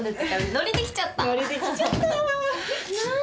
ノリで来ちゃった。